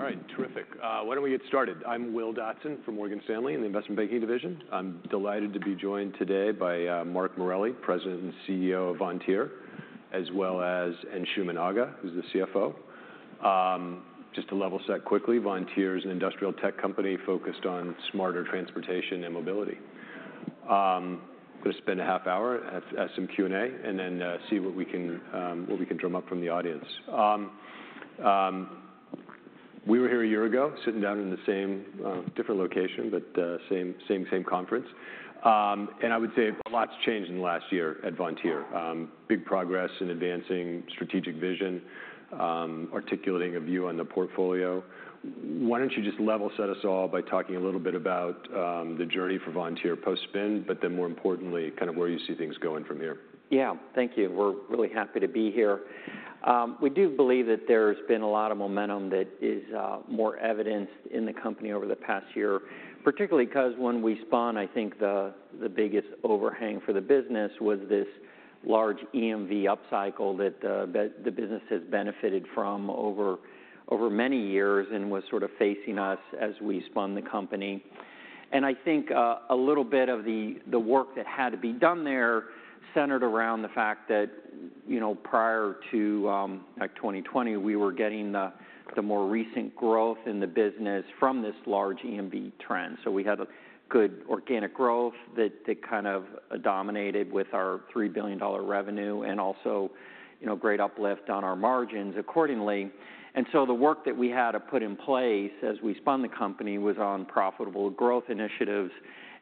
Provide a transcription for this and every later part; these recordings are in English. All right, terrific. Why don't we get started? I'm Will Dotson from Morgan Stanley in the investment banking division. I'm delighted to be joined today by Mark Morelli, President and CEO of Vontier, as well as Anshooman Aga, who's the CFO. Just to level set quickly, Vontier is an industrial tech company focused on smarter transportation and mobility. We're gonna spend a half hour at some Q&A, and then see what we can drum up from the audience. We were here a year ago, sitting down in the same different location, but same conference. And I would say a lot's changed in the last year at Vontier. Big progress in advancing strategic vision, articulating a view on the portfolio. Why don't you just level set us all by talking a little bit about the journey for Vontier post-spin, but then more importantly, kind of where you see things going from here? Yeah. Thank you. We're really happy to be here. We do believe that there's been a lot of momentum that is more evidenced in the company over the past year, particularly 'cause when we spun, I think the biggest overhang for the business was this large EMV upcycle that the business has benefited from over many years and was sort of facing us as we spun the company. And I think a little bit of the work that had to be done there centered around the fact that, you know, prior to like 2020, we were getting the more recent growth in the business from this large EMV trend. So we had a good organic growth that kind of dominated with our $3 billion revenue and also, you know, great uplift on our margins accordingly. The work that we had to put in place as we spun the company was on profitable growth initiatives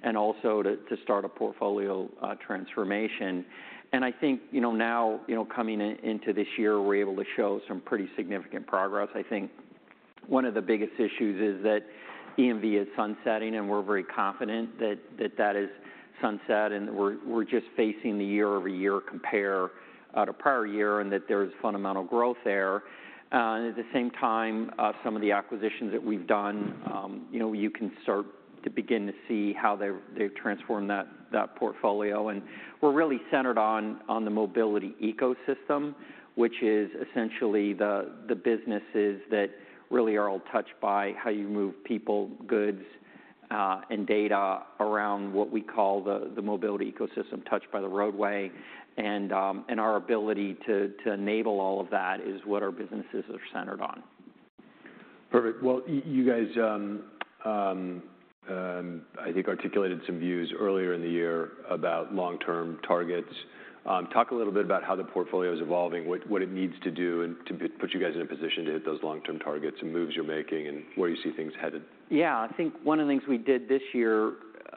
and also to start a portfolio transformation. I think, you know, now, you know, coming into this year, we're able to show some pretty significant progress. I think one of the biggest issues is that EMV is sunsetting, and we're very confident that that is sunset, and we're just facing the year-over-year compare to prior year, and that there's fundamental growth there. At the same time, some of the acquisitions that we've done, you know, you can start to begin to see how they've transformed that portfolio. We're really centered on the mobility ecosystem, which is essentially the businesses that really are all touched by how you move people, goods, and data around what we call the mobility ecosystem touched by the roadway, and our ability to enable all of that is what our businesses are centered on. Perfect. Well, you guys, I think articulated some views earlier in the year about long-term targets. Talk a little bit about how the portfolio is evolving, what it needs to do, and to put you guys in a position to hit those long-term targets and moves you're making, and where you see things headed. Yeah. I think one of the things we did this year,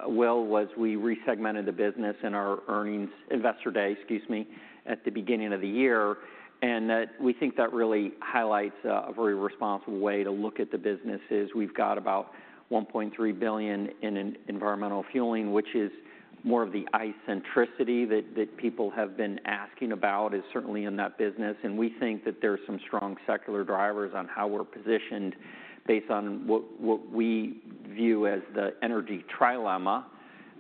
well, was we resegmented the business in our earnings, Investor Day, excuse me, at the beginning of the year. And that we think that really highlights a very responsible way to look at the businesses. We've got about $1.3 billion in Environmental Fueling, which is more of eye centricity that people have been asking about, is certainly in that business. And we think that there are some strong secular drivers on how we're positioned based on what we view as the energy trilemma.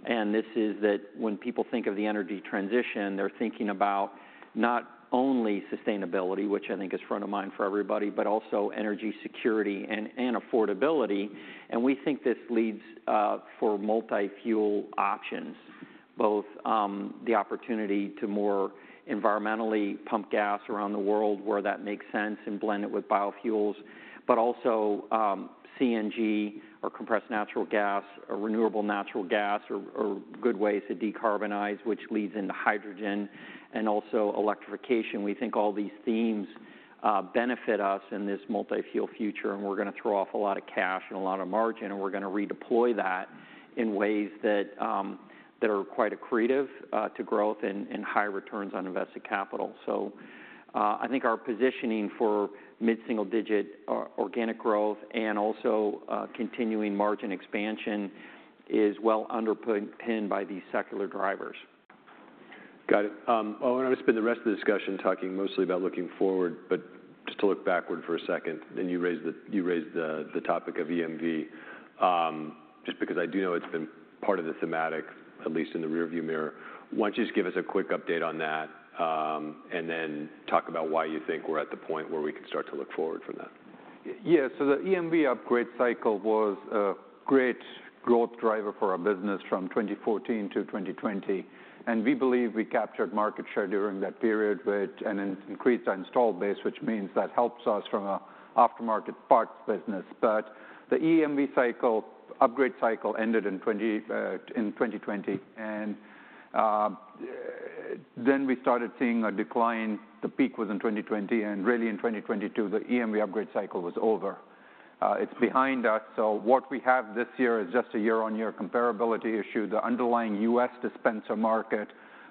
And this is that when people think of the energy transition, they're thinking about not only sustainability, which I think is front of mind for everybody, but also energy security and affordability. And we think this leads, for multi-fuel options, both, the opportunity to more environmentally pump gas around the world where that makes sense, and blend it with biofuels, but also, CNG, or compressed natural gas, or renewable natural gas, are good ways to decarbonize, which leads into hydrogen and also electrification. We think all these themes, benefit us in this multi-fuel future, and we're gonna throw off a lot of cash and a lot of margin, and we're gonna redeploy that in ways that, that are quite accretive, to growth and, and high returns on invested capital. So, I think our positioning for mid-single-digit, organic growth and also, continuing margin expansion is well underpinned by these secular drivers. Got it. Oh, and I'm gonna spend the rest of the discussion talking mostly about looking forward, but just to look backward for a second, then you raised the topic of EMV. Just because I do know it's been part of the thematic, at least in the rearview mirror. Why don't you just give us a quick update on that, and then talk about why you think we're at the point where we can start to look forward from that? Yeah. So the EMV upgrade cycle was a great growth driver for our business from 2014 to 2020, and we believe we captured market share during that period, which increased our installed base, which means that helps us from an aftermarket parts business. But the EMV upgrade cycle ended in 2020, and then we started seeing a decline. The peak was in 2020, and really in 2022, the EMV upgrade cycle was over. It's behind us, so what we have this year is just a year-on-year comparability issue. The underlying U.S. dispenser market,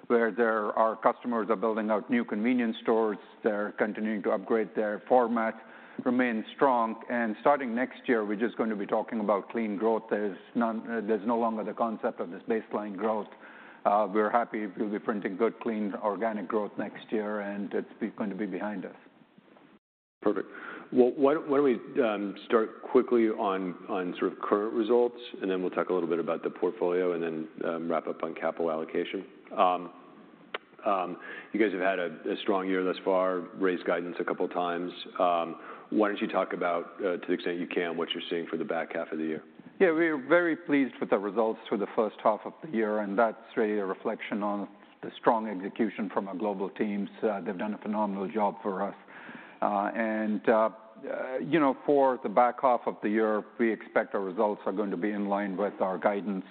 where our customers are building out new convenience stores, they're continuing to upgrade their format, remain strong. Starting next year, we're just going to be talking about clean growth. There's none, there's no longer the concept of this baseline growth. We're happy, we'll be printing good, clean, organic growth next year, and it's going to be behind us. Perfect. Well, why don't we start quickly on sort of current results, and then we'll talk a little bit about the portfolio, and then wrap up on capital allocation? You guys have had a strong year thus far, raised guidance a couple times. Why don't you talk about, to the extent you can, what you're seeing for the back half of the year? Yeah, we're very pleased with the results for the first half of the year, and that's really a reflection on the strong execution from our global teams. They've done a phenomenal job for us. You know, for the back half of the year, we expect our results are going to be in line with our guidance.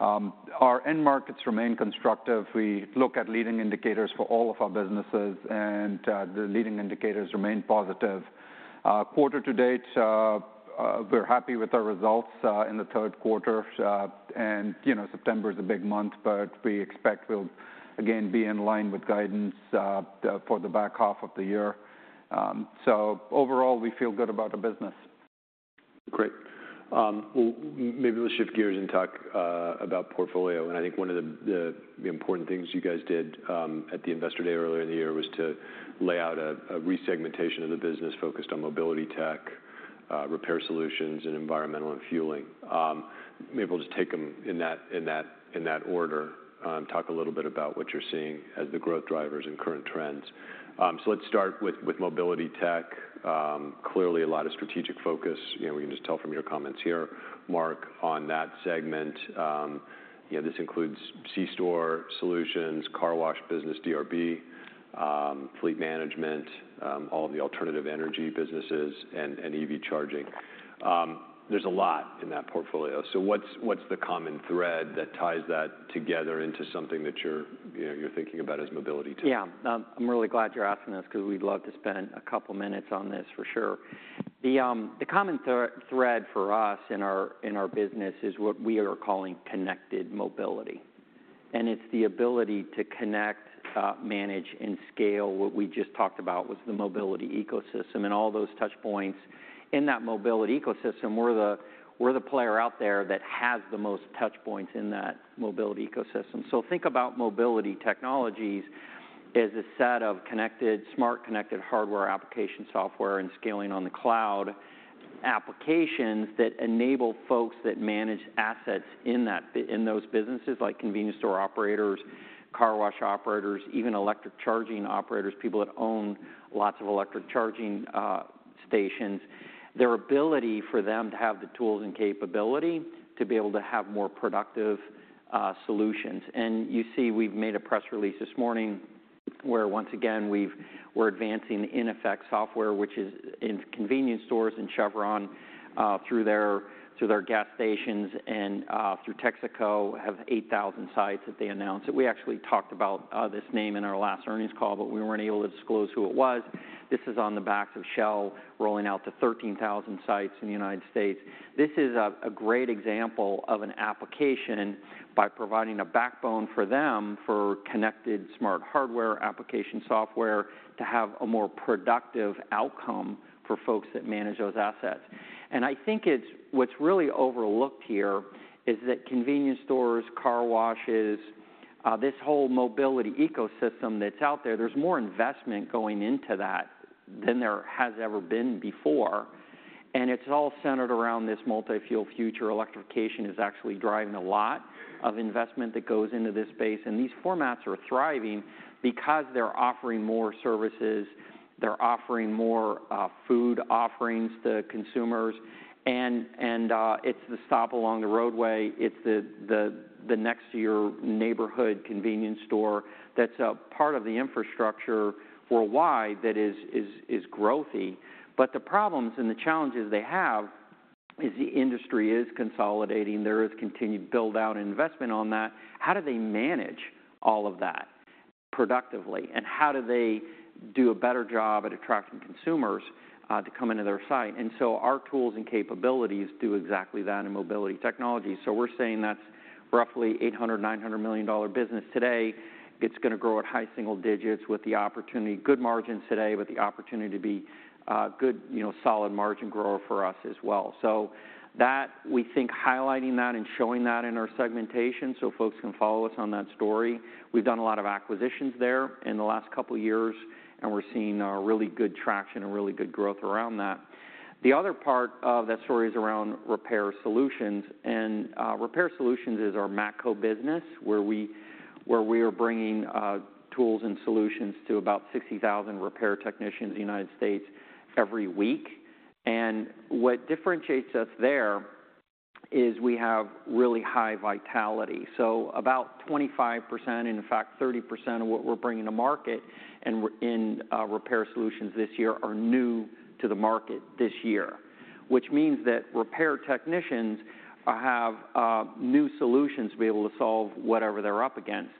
Our end markets remain constructive. We look at leading indicators for all of our businesses, and the leading indicators remain positive. Quarter to date, we're happy with our results in the third quarter. You know, September is a big month, but we expect we'll again be in line with guidance for the back half of the year. Overall, we feel good about the business. Great. Well, maybe let's shift gears and talk about portfolio. And I think one of the important things you guys did at the investor day earlier in the year was to lay out a resegmentation of the business focused on mobility tech, repair solutions, and environmental and fueling. Maybe we'll just take 'em in that order, talk a little bit about what you're seeing as the growth drivers and current trends. So let's start with mobility tech. Clearly a lot of strategic focus, you know, we can just tell from your comments here, Mark, on that segment. You know, this includes c-store solutions, car wash business, DRB, fleet management, all of the alternative energy businesses, and EV charging. There's a lot in that portfolio. So what's the common thread that ties that together into something that you're, you know, thinking about as mobility tech? Yeah. I'm really glad you're asking this, 'cause we'd love to spend a couple minutes on this for sure. The common thread for us in our business is what we are calling Connected mobility, and it's the ability to connect, manage, and scale what we just talked about, was the Mobility ecosystem and all those touch points. In that Mobility ecosystem, we're the player out there that has the most touch points in that Mobility ecosystem. So think about Mobility Technologies as a set of connected, smart connected, hardware, application, software, and scaling on the cloud, applications that enable folks that manage assets in those businesses, like convenience store operators, car wash operators, even electric charging operators, people that own lots of electric charging stations. Their ability for them to have the tools and capability to be able to have more productive solutions. And you see, we've made a press release this morning, where once again, we're advancing the iNFX software, which is in convenience stores and Chevron, through their gas stations and through Texaco, have 8,000 sites that they announced. We actually talked about this name in our last earnings call, but we weren't able to disclose who it was. This is on the backs of Shell, rolling out to 13,000 sites in the United States. This is a great example of an application by providing a backbone for them, for connected smart hardware, application software, to have a more productive outcome for folks that manage those assets. I think it's what's really overlooked here is that convenience stores, car washes, this whole mobility ecosystem that's out there, there's more investment going into that than there has ever been before, and it's all centered around this multi-fuel future. Electrification is actually driving a lot of investment that goes into this space, and these formats are thriving because they're offering more services, they're offering more food offerings to consumers, and it's the stop along the roadway, it's the next to your neighborhood convenience store that's a part of the infrastructure worldwide that is growthy. But the problems and the challenges they have is the industry is consolidating. There is continued build-out investment on that. How do they manage all of that productively? And how do they do a better job at attracting consumers to come into their site? And so our tools and capabilities do exactly that in mobility technology. So we're saying that's roughly $800-$900 million business today. It's gonna grow at high single digits with the opportunity, good margins today, but the opportunity to be, good, you know, solid margin grower for us as well. So that, we think highlighting that and showing that in our segmentation, so folks can follow us on that story. We've done a lot of acquisitions there in the last couple of years, and we're seeing really good traction and really good growth around that. The other part of that story is around repair solutions, and repair solutions is our Matco business, where we are bringing tools and solutions to about 60,000 repair technicians in the United States every week. And what differentiates us there is we have really high vitality. So about 25%, in fact, 30% of what we're bringing to market in repair solutions this year, are new to the market this year. Which means that repair technicians have new solutions to be able to solve whatever they're up against,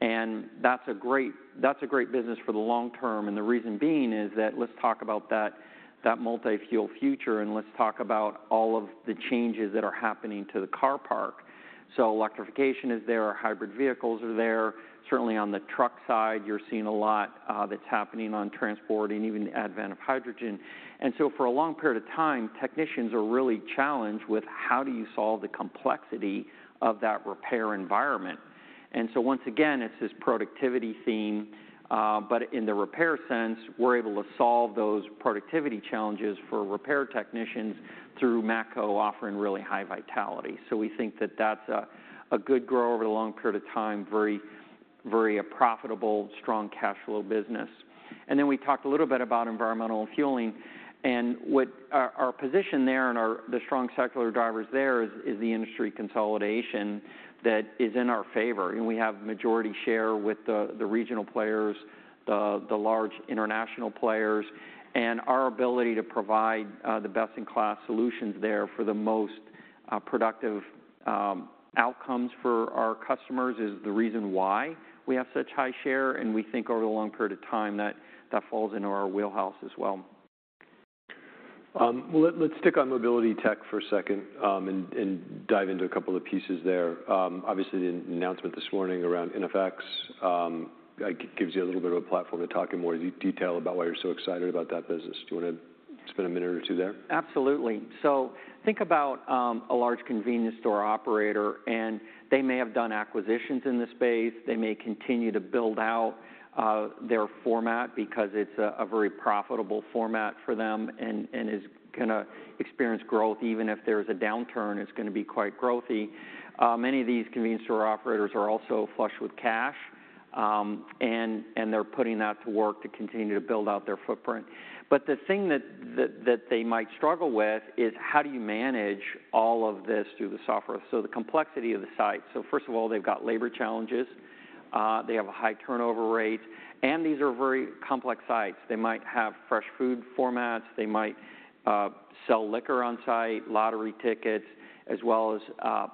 and that's a great, that's a great business for the long term. And the reason being is that let's talk about that, that multi-fuel future, and let's talk about all of the changes that are happening to the car park. So electrification is there, hybrid vehicles are there. Certainly on the truck side, you're seeing a lot that's happening on transport and even the advent of hydrogen. And so for a long period of time, technicians are really challenged with: How do you solve the complexity of that repair environment? And so once again, it's this productivity theme, but in the repair sense, we're able to solve those productivity challenges for repair technicians through Matco offering really high vitality. So we think that that's a good growth over the long period of time, very, very profitable, strong cash flow business. And then we talked a little bit about environmental and fueling, and what our position there is and the strong secular drivers there is the industry consolidation that is in our favor, and we have majority share with the regional players, the large international players. And our ability to provide the best-in-class solutions there for the most productive outcomes for our customers is the reason why we have such high share, and we think over the long period of time, that falls into our wheelhouse as well. Well, let's stick on mobility tech for a second, and dive into a couple of pieces there. Obviously, the announcement this morning around iNFX, like, gives you a little bit of a platform to talk in more detail about why you're so excited about that business. Do you wanna spend a minute or two there? Absolutely. So think about a large convenience store operator, and they may have done acquisitions in the space. They may continue to build out their format because it's a very profitable format for them and is gonna experience growth. Even if there's a downturn, it's gonna be quite growthy. Many of these convenience store operators are also flush with cash, and they're putting that to work to continue to build out their footprint. But the thing that they might struggle with is how do you manage all of this through the software? So the complexity of the site. So first of all, they've got labor challenges, they have a high turnover rate, and these are very complex sites. They might have fresh food formats. They might sell liquor on site, lottery tickets, as well as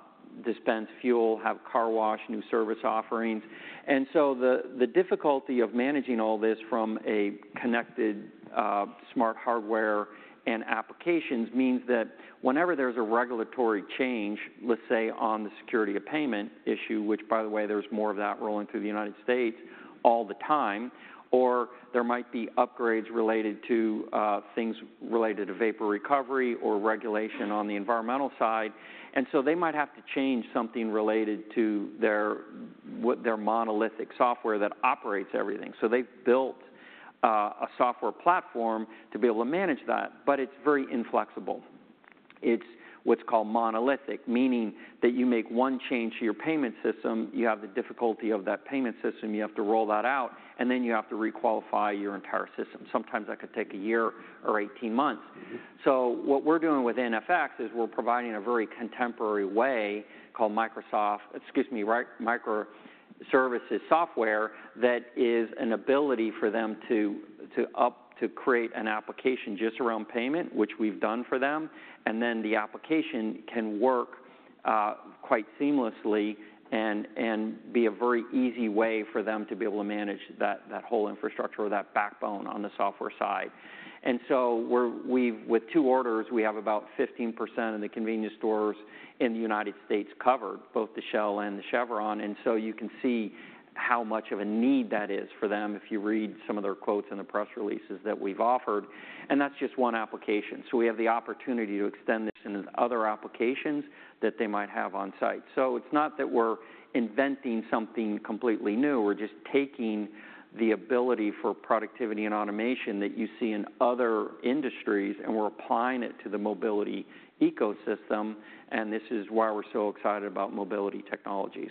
dispense fuel, have car wash, new service offerings. And so the difficulty of managing all this from a connected smart hardware and applications means that whenever there's a regulatory change, let's say, on the security of payment issue, which by the way, there's more of that rolling through the United States all the time, or there might be upgrades related to things related to vapor recovery or regulation on the environmental side. And so they might have to change something related to their monolithic software that operates everything. So they've built a software platform to be able to manage that, but it's very inflexible. It's what's called monolithic, meaning that you make one change to your payment system, you have the difficulty of that payment system, you have to roll that out, and then you have to re-qualify your entire system. Sometimes that could take a year or 18 months. Mm-hmm. So what we're doing with iNFX is we're providing a very contemporary way called microservices software, that is an ability for them to create an application just around payment, which we've done for them, and then the application can work quite seamlessly and be a very easy way for them to be able to manage that whole infrastructure or that backbone on the software side. And so we've, with two orders, we have about 15% of the convenience stores in the United States covered, both the Shell and the Chevron, and so you can see how much of a need that is for them if you read some of their quotes in the press releases that we've offered. That's just one application, so we have the opportunity to extend this into other applications that they might have on site. It's not that we're inventing something completely new, we're just taking the ability for productivity and automation that you see in other industries, and we're applying it to the mobility ecosystem, and this is why we're so excited about mobility technologies.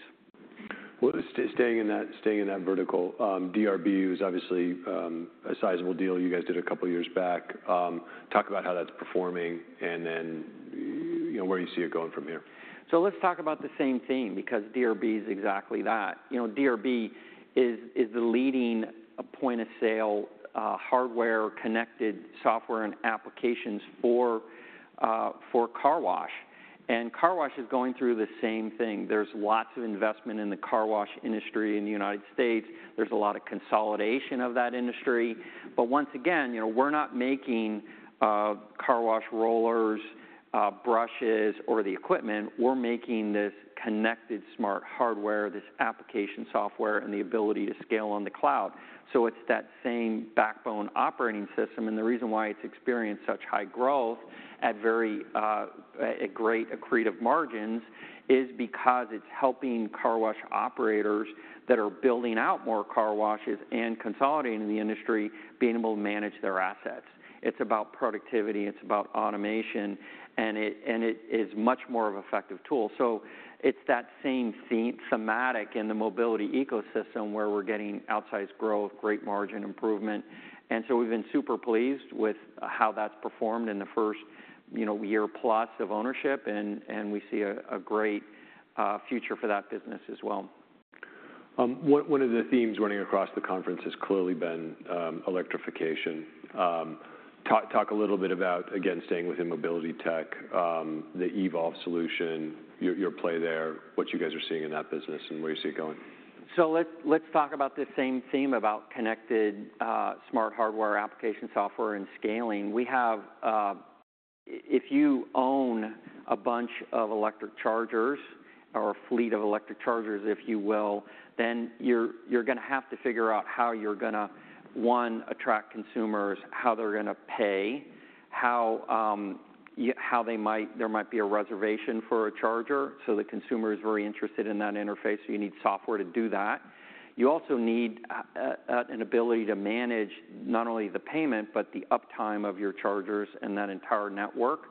Well, staying in that vertical, DRB is obviously a sizable deal you guys did a couple of years back. Talk about how that's performing, and then, you know, where you see it going from here. So let's talk about the same thing, because DRB is exactly that. You know, DRB is, is the leading point-of-sale hardware, connected software and applications for car wash. And car wash is going through the same thing. There's lots of investment in the car wash industry in the United States. There's a lot of consolidation of that industry. But once again, you know, we're not making car wash rollers, brushes, or the equipment. We're making this connected smart hardware, this application software, and the ability to scale on the cloud. So it's that same backbone operating system, and the reason why it's experienced such high growth at very a great accretive margins, is because it's helping car wash operators that are building out more car washes and consolidating the industry, being able to manage their assets. It's about productivity, it's about automation, and it is much more of an effective tool. So it's that same thematic in the mobility ecosystem, where we're getting outsized growth, great margin improvement. And so we've been super pleased with how that's performed in the first, you know, year plus of ownership, and we see a great future for that business as well. One of the themes running across the conference has clearly been electrification. Talk a little bit about, again, staying within mobility tech, the EVolve solution, your play there, what you guys are seeing in that business and where you see it going. So let's talk about this same theme about connected, smart hardware, application software, and scaling. We have. If you own a bunch of electric chargers or a fleet of electric chargers, if you will, then you're gonna have to figure out how you're gonna, one, attract consumers, how they're gonna pay, how they might, there might be a reservation for a charger, so the consumer is very interested in that interface, so you need software to do that. You also need an ability to manage not only the payment, but the uptime of your chargers and that entire network,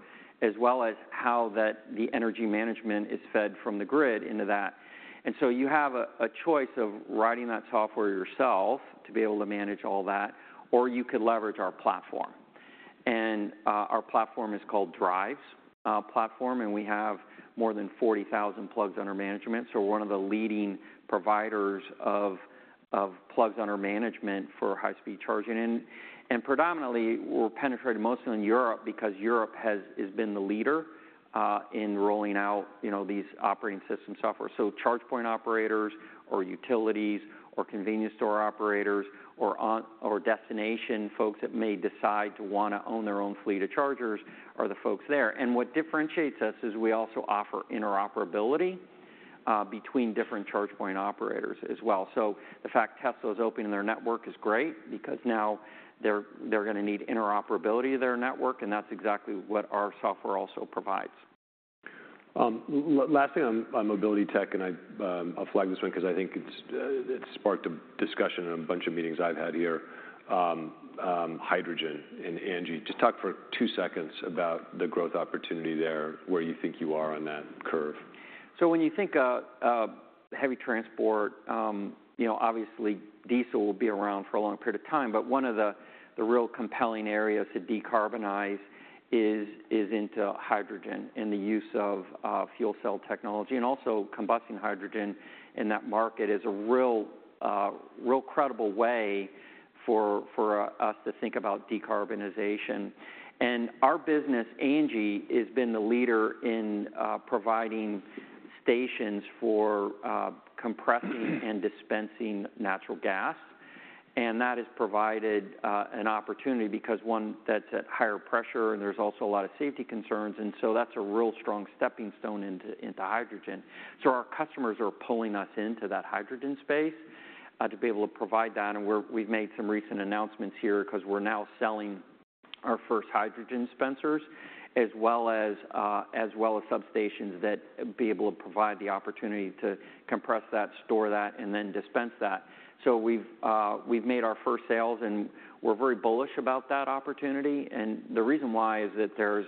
as well as how that, the energy management is fed from the grid into that. And so you have a choice of writing that software yourself to be able to manage all that, or you could leverage our platform. Our platform is called Driivz platform, and we have more than 40,000 plugs under management, so we're one of the leading providers of plugs under management for high-speed charging. And predominantly, we're penetrated mostly in Europe because Europe has been the leader in rolling out, you know, these operating system software. So charge point operators, or utilities, or convenience store operators, or destination folks that may decide to wanna own their own fleet of chargers are the folks there. And what differentiates us is we also offer interoperability between different charge point operators as well. So the fact Tesla is opening their network is great, because now they're gonna need interoperability of their network, and that's exactly what our software also provides. Last thing on mobility tech, and I'll flag this one 'cause I think it sparked a discussion in a bunch of meetings I've had here. Hydrogen and ANGI. Just talk for two seconds about the growth opportunity there, where you think you are on that curve. So when you think of heavy transport, you know, obviously diesel will be around for a long period of time, but one of the real compelling areas to decarbonize is into hydrogen and the use of fuel cell technology. And also combusting hydrogen in that market is a real credible way for us to think about decarbonization. And our business, ANGI, has been the leader in providing stations for compressing and dispensing natural gas. And that has provided an opportunity because, one, that's at higher pressure, and there's also a lot of safety concerns, and so that's a real strong stepping stone into hydrogen. So our customers are pulling us into that hydrogen space to be able to provide that, and we're, we've made some recent announcements here, 'cause we're now selling our first hydrogen dispensers, as well as, as well as substations that be able to provide the opportunity to compress that, store that, and then dispense that. So we've made our first sales, and we're very bullish about that opportunity. And the reason why is that there's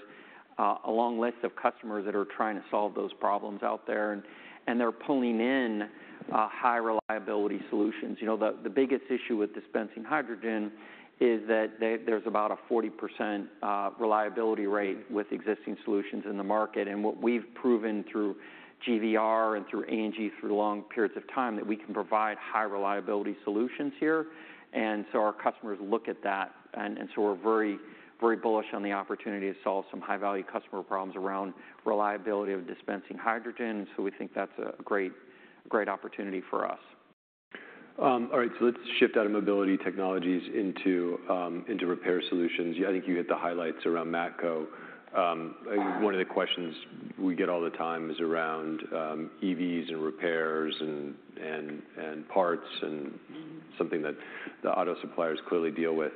a long list of customers that are trying to solve those problems out there, and, and they're pulling in high reliability solutions. You know, the biggest issue with dispensing hydrogen is that there, there's about a 40% reliability rate with existing solutions in the market. What we've proven through GVR and through ANGI through long periods of time, that we can provide high reliability solutions here. So our customers look at that, and so we're very, very bullish on the opportunity to solve some high-value customer problems around reliability of dispensing hydrogen, so we think that's a great, great opportunity for us. All right, so let's shift out of mobility technologies into repair solutions. I think you hit the highlights around Matco. One of the questions we get all the time is around EVs and repairs and parts, and-something that the auto suppliers clearly deal with.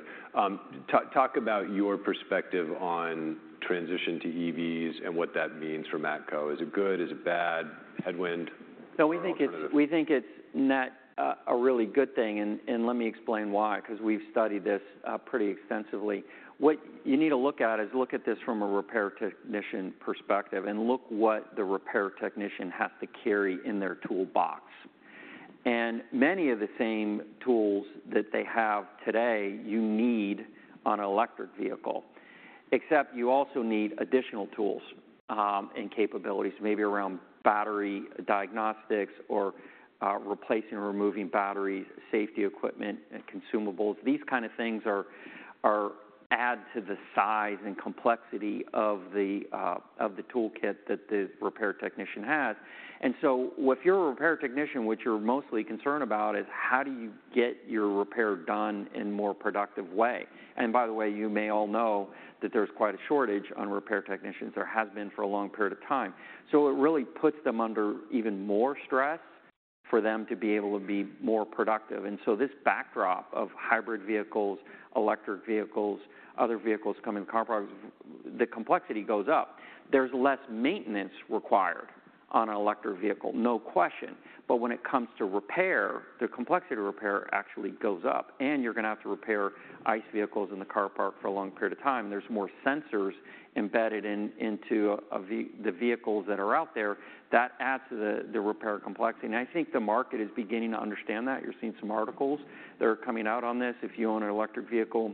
Talk about your perspective on transition to EVs and what that means for Matco. Is it good? Is it bad? Headwind or alternative? So we think it's net a really good thing, and let me explain why, 'cause we've studied this pretty extensively. What you need to look at is this from a repair technician perspective, and look what the repair technician has to carry in their toolbox. Many of the same tools that they have today, you need on an electric vehicle, except you also need additional tools and capabilities, maybe around battery diagnostics or replacing or removing batteries, safety equipment, and consumables. These kind of things add to the size and complexity of the toolkit that the repair technician has. So if you're a repair technician, what you're mostly concerned about is how do you get your repair done in a more productive way? And by the way, you may all know that there's quite a shortage on repair technicians. There has been for a long period of time. So it really puts them under even more stress for them to be able to be more productive. And so this backdrop of hybrid vehicles, electric vehicles, other vehicles come in the car park, the complexity goes up. There's less maintenance required on an electric vehicle, no question. But when it comes to repair, the complexity of repair actually goes up, and you're gonna have to repair ICE vehicles in the car park for a long period of time, and there's more sensors embedded into the vehicles that are out there. That adds to the repair complexity, and I think the market is beginning to understand that. You're seeing some articles that are coming out on this. If you own an electric vehicle,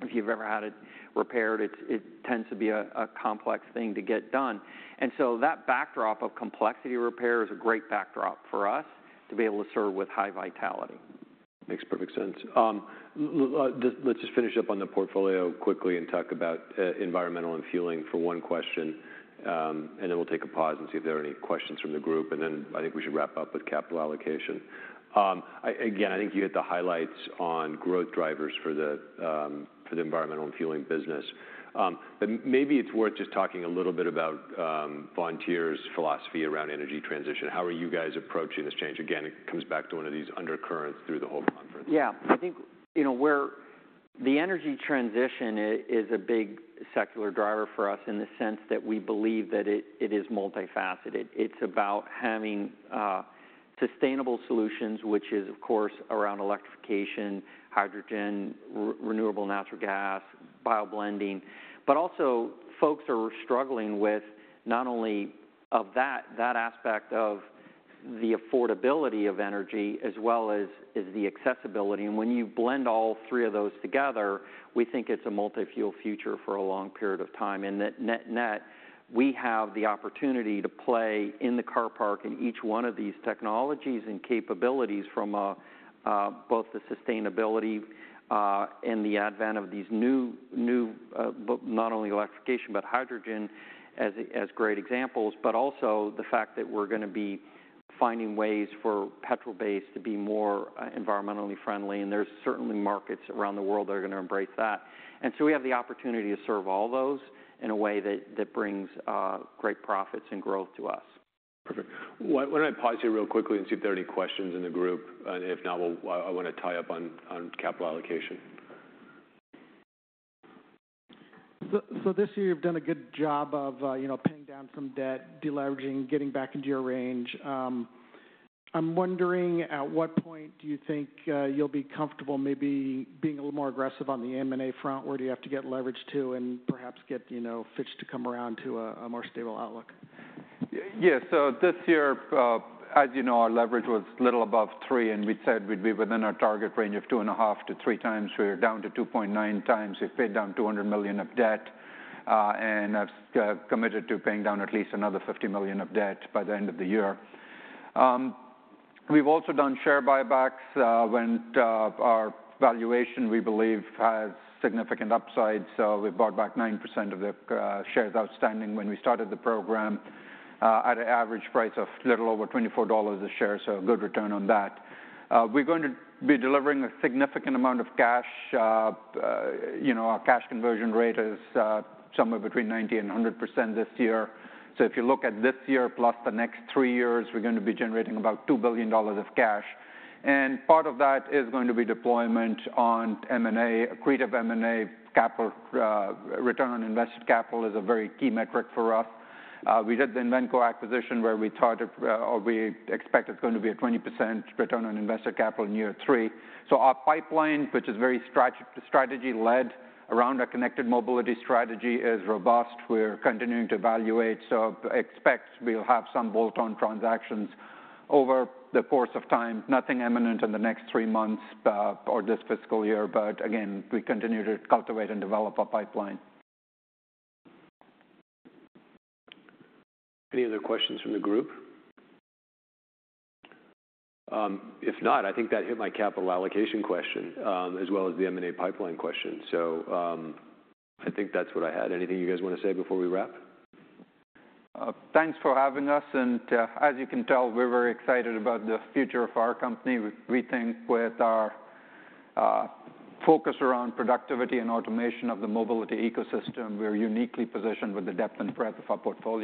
if you've ever had it repaired, it tends to be a complex thing to get done. And so that backdrop of complexity repair is a great backdrop for us to be able to serve with high vitality. Makes perfect sense. Let's just finish up on the portfolio quickly and talk about, environmental and fueling for one question, and then we'll take a pause and see if there are any questions from the group, and then I think we should wrap up with capital allocation. Again, I think you hit the highlights on growth drivers for the, for the environmental and fueling business. But maybe it's worth just talking a little bit about, Vontier's philosophy around energy transition. How are you guys approaching this change? Again, it comes back to one of these undercurrents through the whole conference. Yeah. I think, you know, the energy transition is a big secular driver for us in the sense that we believe that it is multifaceted. It's about having sustainable solutions, which is, of course, around electrification, hydrogen, renewable natural gas, bio-blending. But also, folks are struggling with not only of that aspect of the affordability of energy as well as the accessibility. When you blend all three of those together, we think it's a multi-fuel future for a long period of time, and net, net, net, we have the opportunity to play in the car park in each one of these technologies and capabilities from a both the sustainability and the advent of these new not only electrification, but hydrogen as great examples, but also the fact that we're gonna be finding ways for petrol-based to be more environmentally friendly. There's certainly markets around the world that are gonna embrace that. So we have the opportunity to serve all those in a way that brings great profits and growth to us. Perfect. Why don't I pause here real quickly and see if there are any questions in the group, and if not, well, I wanna tie up on capital allocation. So, so this year you've done a good job of, you know, paying down some debt, de-leveraging, getting back into your range. I'm wondering at what point do you think, you'll be comfortable maybe being a little more aggressive on the M&A front? Where do you have to get leverage to and perhaps get, you know, Fitch to come around to a, a more stable outlook? Yeah. So this year, as you know, our leverage was little above 3, and we said we'd be within our target range of 2.5-3x. We're down to 2.9x. We've paid down $200 million of debt, and have committed to paying down at least another $50 million of debt by the end of the year. We've also done share buybacks, when our valuation, we believe, has significant upside. So we bought back 9% of the shares outstanding when we started the program, at an average price of little over $24 a share, so a good return on that. We're going to be delivering a significant amount of cash. You know, our cash conversion rate is somewhere between 90% and 100% this year. So if you look at this year plus the next three years, we're gonna be generating about $2 billion of cash, and part of that is going to be deployment on M&A, accretive M&A capital. Return on invested capital is a very key metric for us. We did the Invenco acquisition, where we targeted, or we expect it's going to be a 20% return on invested capital in year three. So our pipeline, which is very strategy-led, around our connected mobility strategy, is robust. We're continuing to evaluate, so expect we'll have some bolt-on transactions over the course of time. Nothing imminent in the next three months, or this fiscal year, but again, we continue to cultivate and develop our pipeline. Any other questions from the group? If not, I think that hit my capital allocation question, as well as the M&A pipeline question. So, I think that's what I had. Anything you guys wanna say before we wrap? Thanks for having us, and, as you can tell, we're very excited about the future of our company. We, we think with our, focus around productivity and automation of the mobility ecosystem, we're uniquely positioned with the depth and breadth of our portfolio.